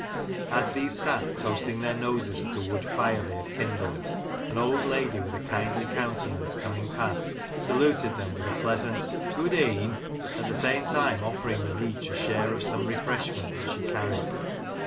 As these sat toasting their noses at a wood fire they had kindled, an old lady with kindly countenance, coming past, saluted them with a pleasant " Good e'en," at the same time offering them each a share of some refresh ment which she carried.